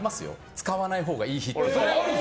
使わないほうがいい日っていうの。